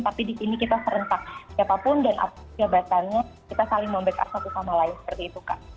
tapi disini kita serentak siapapun dan kegiatannya kita saling membagi satu sama lain seperti itu kak